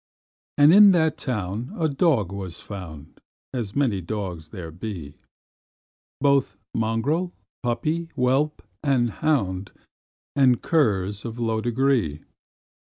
And in that town a dog was found, As many dogs there be, Both mongrel, puppy, whelp, and hound, And curs of low degree.